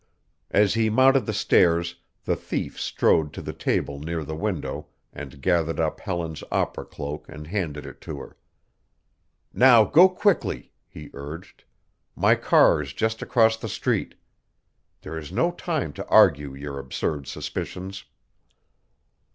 As he mounted the stairs the thief strode to the table near the window and gathered up Helen's opera cloak and handed it to her. "Now, go quickly," he urged; "my car is just across the street. There is no time to argue your absurd suspicions."